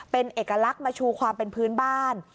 เป็นเอกลักษณ์มาชูความเป็นพื้นบ้าน